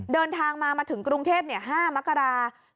เดินทางมามาถึงกรุงเทพฯ๕มกราคม